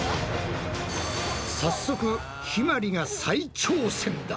早速ひまりが再挑戦だ！